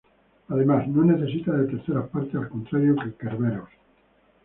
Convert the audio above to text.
Además, no necesita de terceras partes, al contrario que Kerberos.